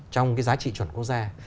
trong cái giá trị chuẩn quốc gia